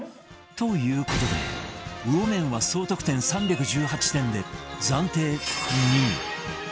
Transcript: という事で魚麺は総得点３１８点で暫定２位